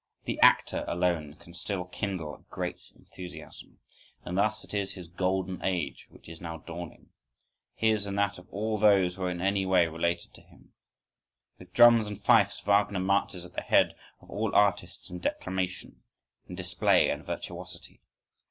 The actor, alone, can still kindle great enthusiasm.—And thus it is his golden age which is now dawning,—his and that of all those who are in any way related to him. With drums and fifes, Wagner marches at the head of all artists in declamation, in display and virtuosity.